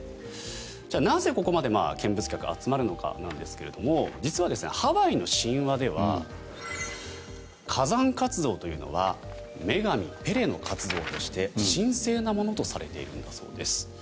じゃあ、なぜここまで見物客が集まるのかですが実はハワイの神話では火山活動というものは女神ペレの活動として神聖なものとされているんだそうです。